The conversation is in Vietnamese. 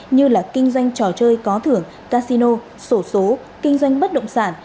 như là kinh doanh trò chơi có thưởng casino sổ số kinh doanh bất động sản